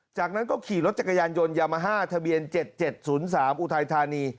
จากนั้นก็ขี่รถจักรยานยนต์ยามาฮ่าทะเบียน๗๗๐๓อุทัยธานี